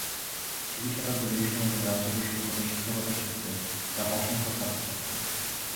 সিকি শতাব্দীর বেশি সময় ধরে রাজশাহী বিশ্ববিদ্যালয়ে শিক্ষকতার সূত্রে তাঁর অসংখ্য ছাত্রছাত্রী।